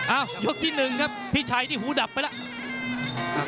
อ้าวยกที่หนึ่งครับพี่ชัยที่หูดับไปแล้ว